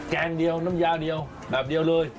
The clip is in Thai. แกงเดียวน้ำยาเดียวแบบเดียวเลย